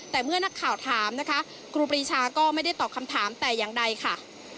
แต่เมื่อนักข่าวถามนะคะครูปรีชาก็ไม่ได้ตอบคำถามแต่อย่างใดค่ะ